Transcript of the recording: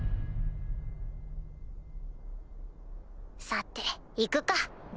さて行くか。